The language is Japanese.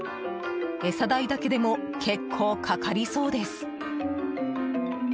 餌代だけでも結構かかりそうです。